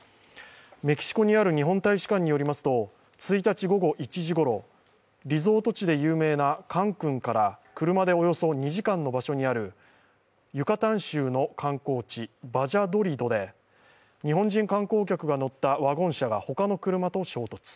メキシコにある日本大使館によりますと、１日午後１時ごろ、リゾート地で有名なカンクンから車でおよそ２時間の場所にあるユカタン州の観光地バジャドリドで日本人観光客が乗ったワゴン車が他の車と衝突。